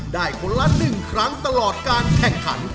คนละ๑ครั้งตลอดการแข่งขัน